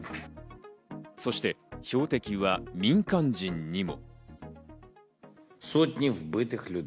そして標的は民間人にも。